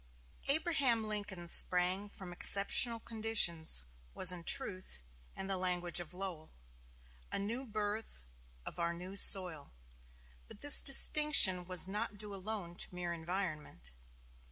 Abraham Lincoln sprang from exceptional conditions was in truth, in the language of Lowell, a "new birth of our new soil." But this distinction was not due alone to mere environment.